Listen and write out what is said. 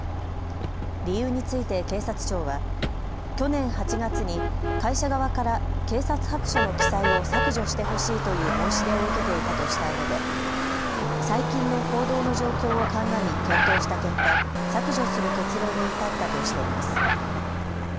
理由について警察庁は去年８月に会社側から警察白書の記載を削除してほしいという申し出を受けていたとしたうえで最近の報道の状況を鑑み検討した結果、削除する結論に至ったとしています。